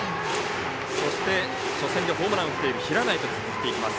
そして、初戦でホームランを打っている平内と続きます。